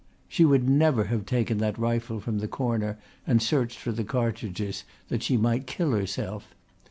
She would never have taken that rifle from the corner and searched for the cartridges, that she might kill herself!